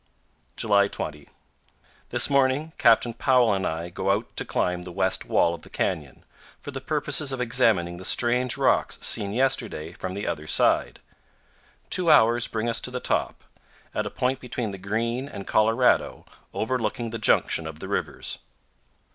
July 20. This morning Captain Powell and I go out to climb the west wall of the canyon, for the purpose of examining the strange rocks seen yesterday from the other side. Two hours bring us to the top, at a point between the Green and Colorado overlooking the junction of the rivers.